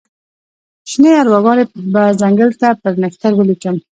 شني ارواګانې به ځنګل ته پر نښتر ولیکم